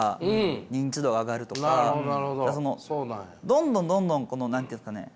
どんどんどんどんこの何て言うんですかね